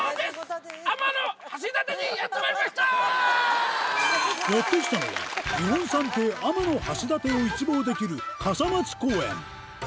やって来たのは日本三景天橋立を一望できる傘松公園